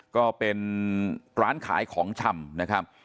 ก็เป็นร้านขายของชำนะครับ